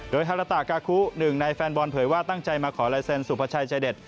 โดยฮาราตากาคุหนึ่งในแฟนบอลเผยว่าตั้งใจมาขอลายเซ็นสุภาชัยใจเด็ด